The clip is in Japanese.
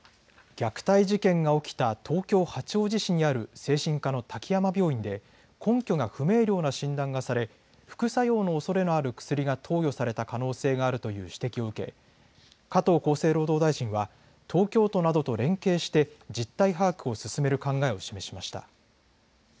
虐待事件が起きた東京、八王子市にある精神科の滝山病院で根拠が不明瞭な診断がされ副作用のおそれのある薬が投与された可能性があるという指摘を受け加藤厚生労働大臣は東京都などと連携して実態把握を進める考えを示しました。